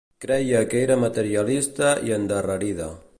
Creia que era materialista i endarrerida.